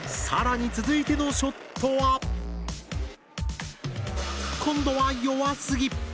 更に続いてのショットは今度は弱すぎ。